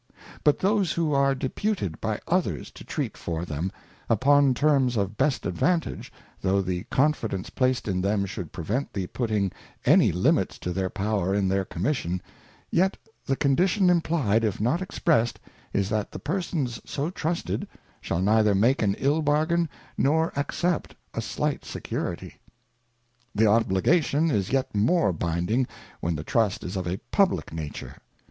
But those who are deputed by others to treat for them, upon terms of best advantage, though the Confidence placed in them should prevent the putting any limits to their Power in their Commission, yet the Condition implied if not expressed, is that the Persons so Trusted shall neither make an ill Bargain, nor accept a slight Security. The Obligation is yet more binding when the Trust is of a Publick Nature.